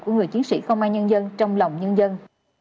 của người chiến sĩ công an nhân dân trong lòng nhân dân